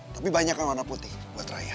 tapi banyak kan warna putih buat rakyat